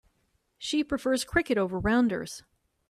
She prefers cricket over rounders.